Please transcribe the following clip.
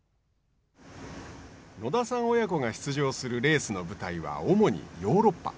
野田さん親子が出場するレースの舞台は主にヨーロッパ。